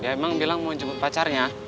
ya emang bilang mau jemput pacarnya